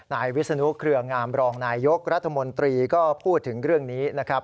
นายวิศนุเครืองามรองนายยกรัฐมนตรีก็พูดถึงเรื่องนี้นะครับ